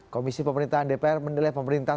komisi pemerintahan dpr menilai pemerintah